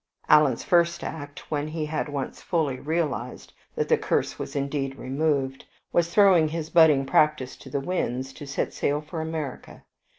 Alan's first act, when he had once fully realized that the curse was indeed removed, was throwing his budding practice to the winds to set sail for America.